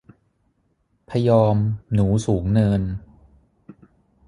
พยอม หนูสูงเนิน